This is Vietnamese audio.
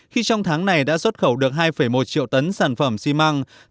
khi trong tháng này đã xuất khẩu được hai một triệu tấn sản phẩm xi măng